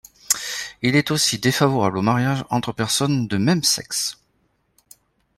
Il est aussi défavorable au mariage entre personnes de même sexe.